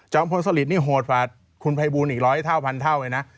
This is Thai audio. พลสลิดนี่โหดกว่าคุณภัยบูลอีกร้อยเท่าพันเท่าเลยนะ